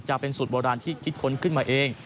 จะเป็นสูตรโบราณที่คิดค้นขึ้นมาเอง